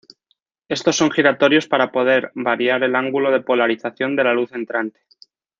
Estos son giratorios para poder variar el ángulo de polarización de la luz entrante.